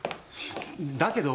だけど。